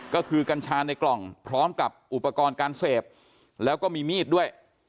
ก็คือกัญชาในกล่องพร้อมกับอุปกรณ์การเสพแล้วก็มีมีดด้วย